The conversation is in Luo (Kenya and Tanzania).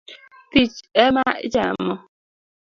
Thich ema ichamo